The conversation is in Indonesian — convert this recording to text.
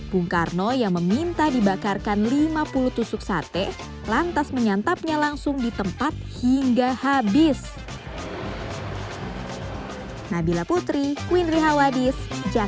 bung karno yang meminta dibakarkan lima puluh tusuk sate lantas menyantapnya langsung di tempat hingga habis